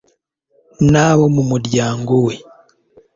n'abo mu muryango we